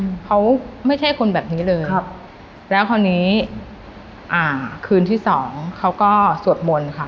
อืมเขาไม่ใช่คนแบบนี้เลยครับแล้วคราวนี้อ่าคืนที่สองเขาก็สวดมนต์ค่ะ